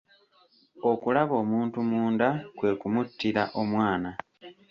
Okulaba omuntu munda kwe kumuttira omwana.